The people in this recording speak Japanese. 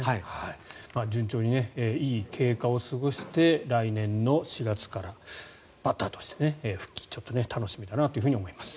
順調にいい経過を過ごして来年の４月からバッターとして復帰楽しみだなと思います。